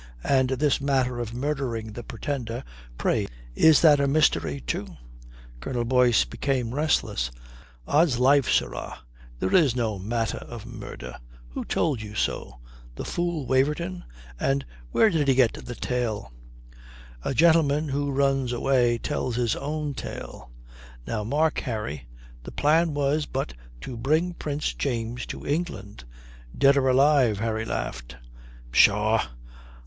And this matter of murdering the Pretender, pray, is that a mystery too?" Colonel Boyce became restless. "Ods life, sirrah, there is no matter of murder. Who told you so? The fool Waverton. And where did he get the tale?" "A gentleman who runs away tells his own tale." "Now mark, Harry. The plan was but to bring Prince James to England " "Dead or alive," Harry laughed. "Pshaw.